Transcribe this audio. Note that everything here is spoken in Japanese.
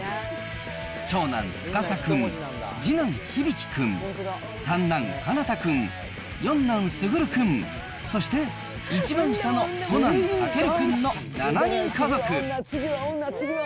長男、司君、次男、響君、三男、奏君、四男、優君、そして一番下の五男、尊君の７人家族。